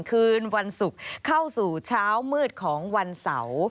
คืนวันศุกร์เข้าสู่เช้ามืดของวันเสาร์